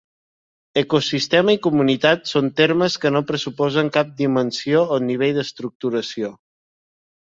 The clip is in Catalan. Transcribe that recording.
Ecosistema i comunitat són termes que no pressuposen cap dimensió o nivell d'estructuració.